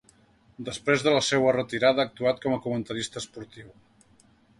Després de la seua retirada ha actuat com a comentarista esportiu.